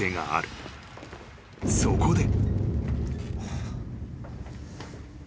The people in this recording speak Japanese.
［そこで］